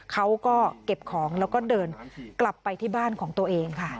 เขาก็เก็บของแล้วก็เดินกลับไปที่บ้านของตัวเองค่ะ